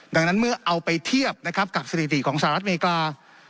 ดังนั้นเมื่อเอาไปเทียบนะครับกับสถิติของสหรัฐอเมริกา